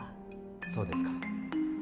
そうですか。